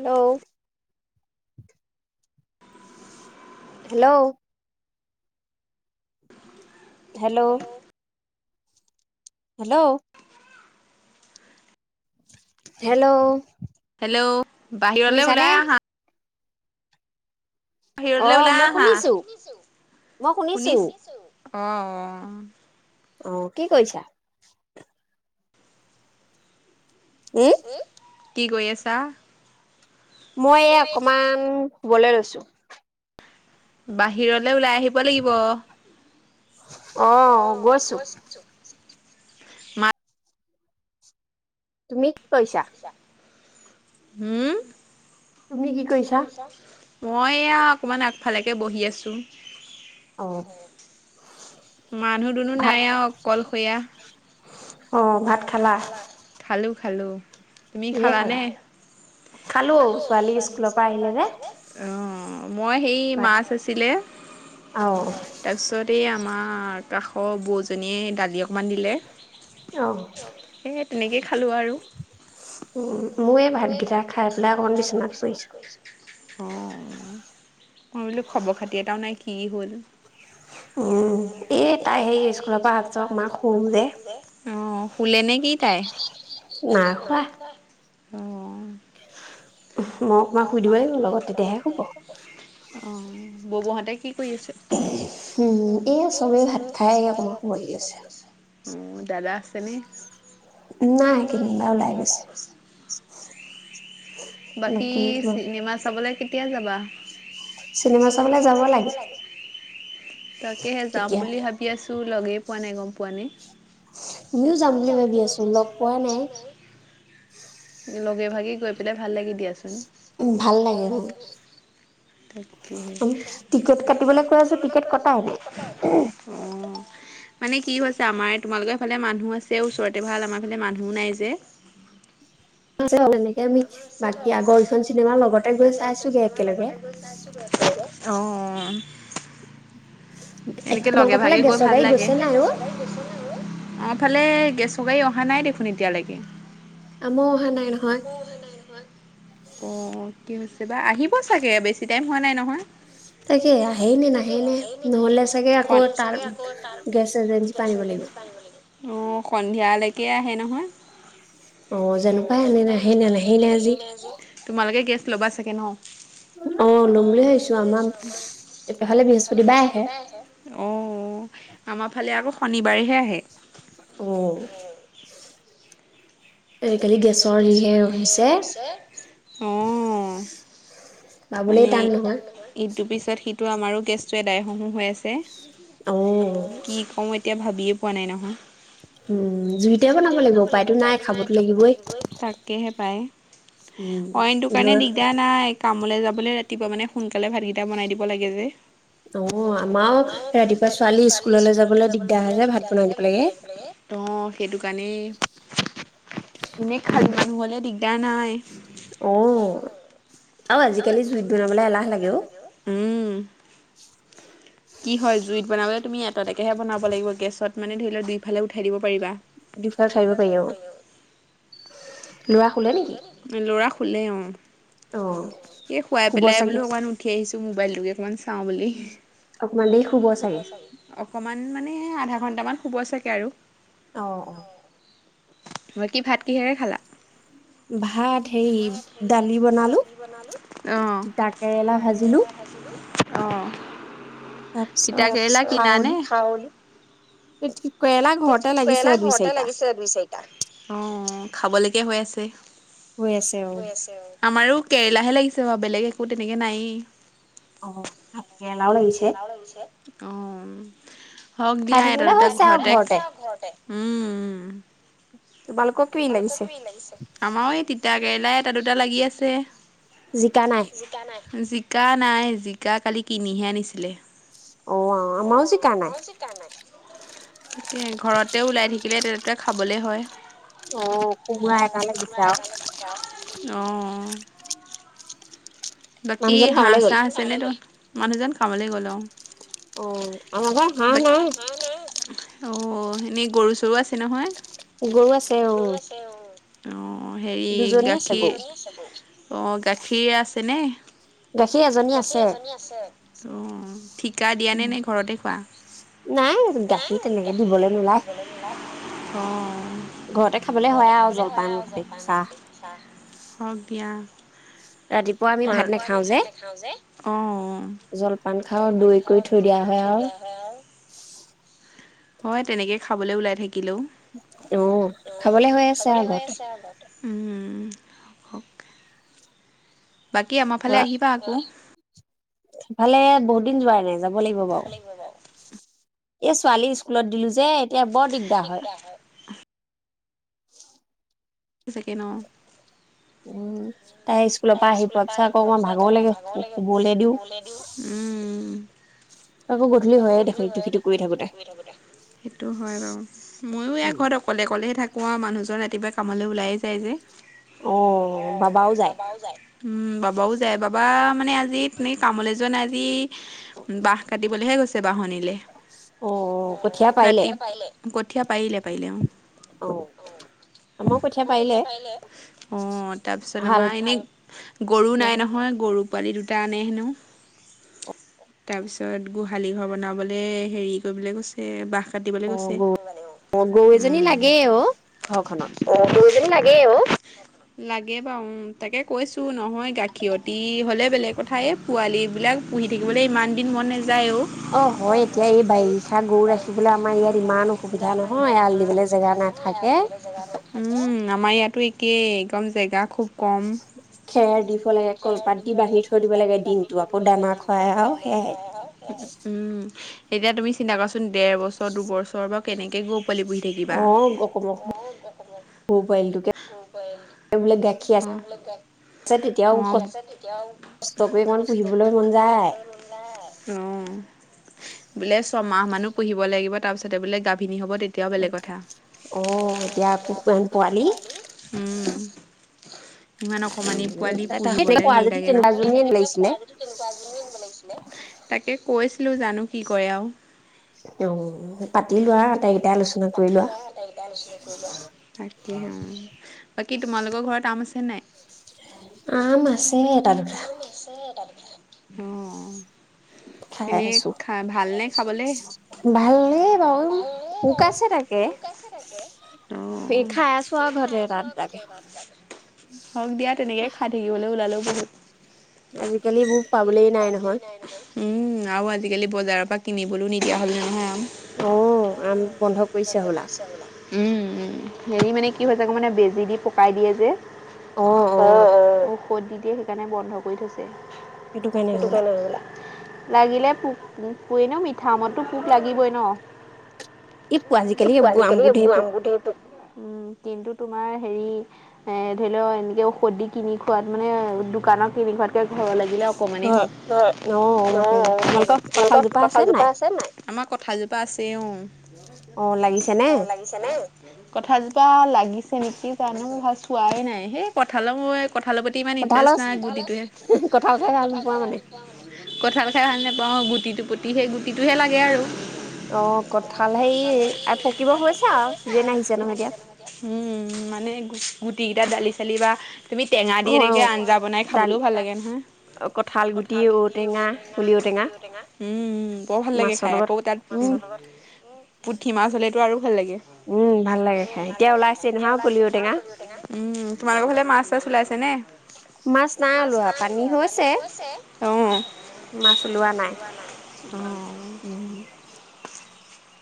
Hello hello hello hello hello hello বাহিৰলৈ ওলাই আহা। অ মই শুনিছো মই শুনিছো। অঁ। অ, কি কৰিছা? কি? কি কৰি আছা? মই এয়া অকমান, শুবলে লৈছোঁ। বাহিৰলৈ ওলাই আহিব লাগিব। অ, গৈছোঁ। তুমি? কি কৰিছা? হম? তুমি কি কি কৰিছা? মই এয়া, অকণমান আগফালেকে বহি আছোঁ। অ। মানুহ দুনুহ নাই আৰু, অকলশীয়া। অ, ভাত খালা? খালো খালো। তুমি খালা নে? খালো। [unintelligible] অ মই সেই মাছ আছিলে। তাৰপিছত এই আমাৰ কাষৰ বৌজনীয়ে দালি অক মান দিলে। এই তেনেকেই খালোঁ আৰু। [unintelligible] অ, মই বোলো খবৰ খাতি এটাও নাই, কি হ'ল। উম। উম এ তাই সেই স্কুলৰ পৰা অহাৰ পিছত অকমান শুওঁ যে। অ'। শুলে নেকি তাই? মই অকমান শুই দিব লাগিব লগত, তেতিয়াহে শুব। অ, বৰবুঢ়াহতে কি কৰি আছে? [unintelligible] উম্, দাদা আছেনে? নাই, কেনিবা ওলাই গৈছে। বাকী চিনেমা চাবলে কেতিয়া যাবা। চিনেমা চাবলে যাব লাগে তাকেহে যাম বুলি ভাবি আছো, লগেই পোৱা নাই, গম পোৱানে। আমিও যাম বুলি ভাবি আছো লগ পোৱা নাই। লগে ভাগে গৈ পেলাই ভাল লাগি দিয়াচোন। উ ভাল লাগে মোৰ, টিকেট কাটিবলৈ কৈ আছো টিকট ক অ' মানে কি হৈছে আমাৰ তোমালোকৰফালে মানুহ আছে ওচৰতে ভাল আমাৰ ফালে মানুহো নাই যে, [unintelligible] বাকী আগৰ এইখন চিনেমাৰ লগতে গৈ চাইছোগে একেলগে। অঁহ' এনেকে লগে ভাগে গৈ ভাল লাগে। আমাৰ ফালে গেছ গাড়ী অহা নাই দেখোন এতিয়ালৈকে। আমাৰো অহা নাই নহয়। অ' কি হৈছে বা আহিব চাগে বেছি টাইম হোৱা নাই নহয়। চাগে আহে নে নাহে নে নহলে চাগে আকৌ তাৰ গেছ এজেঞ্চি পৰা আনিব লাগিব। অ' সন্ধিয়ালৈকে আহে নহয়। অ জানো পাই এনে নাহেই নে নাহেই নে নাহেই নে আজি তোমালোকে গছ ল'বা চাগে ন' অ লম বুলি ভাবিছোঁ এইবাৰ এইফালে বৃহস্পতিবাৰে আহে। আমাৰ ফালে আকো শনিবাৰেহে আহে। অ আজিকালি গেছৰ যিহে হৈছে অ মানে পাবলৈ টান নহয় ইটোৰ পিছত সিটো আমাৰো গেছটোৱে আদায় হওঁ হওঁ হৈ আছে। কি কওঁ এতিয়া ভাবিয়ে পোৱা নাই নহয়। উম জুইতে বনাব লাগিব উপায়তো নাই খাবতো লাগিব। লাগিবই তাকেহে পায় অইনটো কাৰণে দিগদাৰ নাই ক ঘৰলে যাবলে ৰাতিপুৱা মানে সোনকালে ভাতকেইটা বনাই দিব লাগে যে। অ' আমাৰো ৰাতিপুৱা ছোৱালী স্কুললৈ যাবলৈ দিগদাৰ হয় যে ভাত বনাই দিব লাগে অ' সেইটো কাৰণেই এনে খালি মানুহ হ'লে দি দিকদাৰ নাই। অহ, আৰু আজিকালি জুইত বনাবলৈ এলাহ লাগে অ'। কি হয় জুইত বনাবলৈ তুমি এটা এটা কেহে বনাব লাগিব গেছত মানে ধৰি লওঁক দুইফালে উঠাই দিব পাৰিবা। দুফালে উঠাই দিব পাৰি আৰু ল'ৰা শুলে নেকি? উম, ল ল'ৰা শুলে অ'। অ', এ খুৱাই পেলাই বোলো অকমান উঠি আহিছ মোবাইলটোকে অকণমান চাওঁ বুলি। অকমান দেৰি শুব চাগে। অকমান মানে আধা ঘন্টামান শুব চাগে আৰু। অ', অ'। মই কি ভাত কিহেৰে খালা? ভাত সেই দালি বনালো অ', তিতা কেৰেলা ভাজিলোঁ অ', তিতা কেৰেলা খুৱানে খাৰলি তিত কেৰেলা ঘৰতে লাগিছে দুই চাৰিটা। খাবলৈকে হৈ আছে। হৈ আছে অ', আমাৰো কেৰেলাহে লাগিছে। ত' বেলেগ একো তেনেকে নাইয়েই। অ', তাকে। হেলাও লাগিছে। অ'। হওঁক দিয়া এটা দুটাক ঘৰতে, উম। আমাৰ এই তিতা কেৰেলাই এটা দুটা লাগি আছে। জিকা নাই, জিকা কালি কিনিহে আনিছিলে। অ', অ', আমাও জিকা নাই। তাকে ঘৰতে ওলাই থাকিলে তেনেকে খাবলে হয়। অ', কোমোৰা এটা লাগিছে আৰু। অ'। বাকী হাঁহ চাহ আছেনে তহঁ মানুহজন কামলে গ'ল অ'। অ আমাৰ বা হাহঁ নাই। অঁ এনেই গৰু চৰু আছে নহয়। গৰু আছে অ। অ। অঁ হেৰি গাখীৰ অঁ গাখীৰ আছে। থঠিকা দিয় নে নে ঘৰতে খোৱা। অ। ঘৰতে খাবলে হয় আৰু জলপান মদ চাহ হওক দিয়া। [unintelligible] এনেকা আমি ভাত নাখাও যে জলপান খাও দৈ কৰি থৈ দিয়া হয় আৰু। হয় তেনেকে খাবলৈ ওলাই থাকি। অহ খাবলে হৈ আছে আৰু ঘৰতে। হওকে। বাকী আমাৰ ফালে আহিবা আকৌ। ভফালে বহুত দিন যোৱ নাই। যাব লাগিব বাৰু। এই ছোৱালী স্কুলত দিলো যে। এতিয়া বৰ দিগদাৰ হয়। [unintelligible] চছেকেণ্ড অ। উম। ত স্কুলৰ পৰা আহি পোৱা পিছত। আকৌ অকমান ভাগৰ লাগেলে দিওঁ। উম সেইটো হয় বাৰু ময়ো ইয়াৰ ঘৰত অকলে অকলেহ থাকো। কোৱা মানুহজন ৰাতিপুৱা কামলৈ ওলাইে যায় যে। অহ বাবও যায় উম বাবাও যায় বাৰু। কাবা মানে আজি কামোল এজন আজি। বাহ কাটি। কলেহে গৈছে। অ কঠীয়া পাৰলে। কঠীয়া পাৰিলে পাৰিলে অ। অ তাৰপিছত আমাৰ এনে গৰু নাই নহয় গৰু নাই নহয়। পালি দুটা আনে হেনো তাৰপিছত। তিছত গোহালি ঘৰ বনাবলৈ হেৰি কৰিবলৈ কৈছে বাঘ। কাটিবলৈ গৈছে উম অ সৰুজনী লাগেই অ। লাগে বাৰু তাকে কৈছো নহয় গাখীৰতি হ'লে বেলেগ কথায়ে পোৱালি বিলাক পুহি থাকিবলৈ ইমান মনে যম আমাৰ ইয়াত একেই একদম জেগা খুব খেৰ দিব লাগে কলপাত দি বান্ধি থৈ দিব লাগে দিনতটো আকৌ দানা খুৱাই আৰু সেয়াই উম এতি তুমি চিন্তা কৰা ডেৰ বছৰ দুবছৰ বা এনেকে গল বহি থাকিবা অ বোলে ছমাহ মানো পুহিব লাগিব তাৰ পিছতে বোলে গাভিনী হ'ব আহ এতিয়া কোকন পোৱালি হয় ইমান অকমানে পোৱালি পুহিবলে সেই লাগে নহ তেনেকুৱা খোৱা আগতো তাকে কৈছে জানো কি কয় আৰু উম পাতি লোৱা আটাইকেইটাই আলোচনা কৰি লোৱা। বাকী তোমালোকৰ ঘৰত আম আছে নাই? আম আছে এটা দুটা অ খাই আছো ভাল বাৰু পোক আছে তাকে। এইেই খাই আছোৱা ঘৰে ৰাতি তাগে [unintelligible] উম। হক দিয়া তেনেকে খাই থাকিবলৈ ওলালো। হয় [unintelligible] আজিকালি এইবোৰ পাবলে নাই নহয়! উম আৰু আজিকালি বজাৰৰ পৰা কিনিবলৈও নিদিয়া হ'ল নহয়। অ আন বন্ধ কৰিছে হ'লা! উম উ হেৰি মানে কি হৈচে মানে বেজি দি পকাই দিয়ে যে! আহ আহ! পদ্ধতিয়ে সেইকাৰণে বন্ধ কৰি থৈছে। সেইটো কাৰণে হৈবলা! লাগিলে পোক পোকে নো মিঠামতো পোক লাগিবই ন! আজিকালি উম পোকবোৰ তোমাৰ হেৰি ধৰি লওক এনেকৈ ঔষধি কিনি খোৱাত মানে দোকানত কিনি খোৱাতকৈ ঘৰলৈ দিলে অকমানে হওক অ সহতৰ কঁঠাল জোপা আছে আমাৰ কঁঠাল জোপা আছে অ লাগিছে নে কঁঠাল জোপা লাগিছে নেকি জানো! ভ পোৱাই নাই! সেই কঠালৈ মই কথালৰ প্ৰতি ইমান ইণ্টাৰেষ্ট নাই গুটিটোৱে। কঁঠাল খাই ভাল নাপাওঁ! গুটিটো পুটি সেই গুটিটোহে লাগে আৰু অ কঠাল হে পকিব হৈছে আৰু চিজন আহিছে নহয় এতিয়া মানে গুচি গুটি কেইটা দালি চালি বা তুমি টেঙা দি এনেকে আঞ্জা বনাই খাবলৈও ভাল লাগে নহ! কঁঠাল গুটি। উম বৰ ভাল লাগে খাই আকৌ তাত পুঠি মাছ হ'লেতো আৰু উম ভাল লাগে খাই এতিয়া ওলাইছে নহই কৰ্দৈ টেঙা উ তোমালোকৰ হাললে মাছ চাছ ওলাইছে? তেনে! মাছ নাই ওলোৱা পানী হৈছে। মাছ ওলোৱা নাই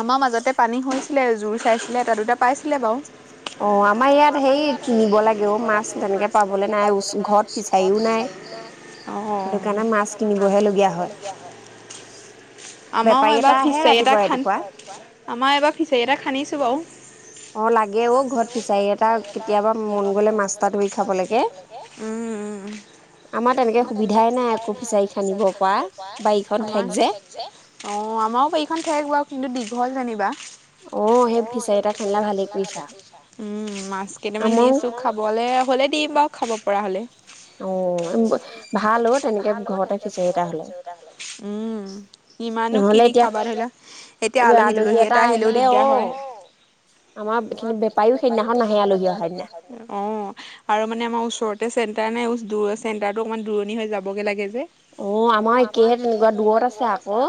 আমাৰ মাজতে পানী হৈছিল। এ যুৰ চাই ছিলে পাতোতে পাইছিল বাঁও আমাৰ এবাৰ ফিচাৰ এটা খান্দিব লাগিব দেই। আমাৰ এইবাৰ ফিচাৰি এটা খনিছো বাৰু। অ লাগে অ ফিচাৰি এটা কেতিয়াবা মন গ'লে মাছ খাবলৈকে দীঘল যেনিবা অ এই ফিচাৰি এটা কিনা ভালেই বুজিছা মাছ কেইটামান দিছো খাবলে হ'লে কি খবৰ। পৰা হ'লে, উম। উম। ইমানো কিনি খাবাৰ হ'লা এতিয়া আলহী দুলহী এটা আহিলেও দিগদাৰ হয়, অ', আৰু মানে আমাৰ ওচৰতে চেণ্টাৰ নে দূৰ চেন্টাৰটো অকমান দূৰণি হৈ যাবগে লাগে যে। অ', আমাৰ একয়হে তেনেকুৱা দূৰত আছে আকৌ,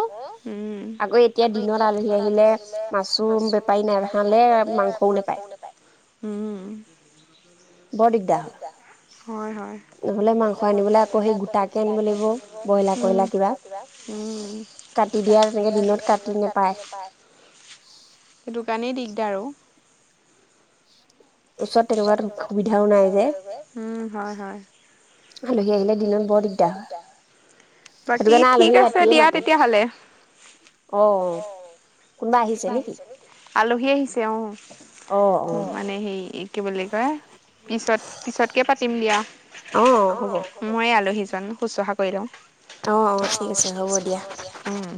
আকৌ এতিয়া দিনত এতিয়া দিনত আলহী আহিলে মাছো বেপাৰী নাইখালে মাংসও নেপায়, উম। উম, উম উম। সেইটো কাণেই দিগদাৰো। উম, হয়, হয়। আলহী আহিলে দিনত বৰ দিগদাৰ হয় সেইটো কাৰণে আলহী ৰাতিয়ে মাতো অ'। অ', ক আলহী আহিছে অহ, উম, মানে হে কি বুলি কয়? পিছত পিছতকে পাতিম দিয়া, মই আলহী য শুশ্ৰূষা কৰি লওঁ। অ', অ', ঠিক আছে হ'ব দিয়া, উম।